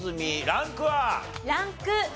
ランク２。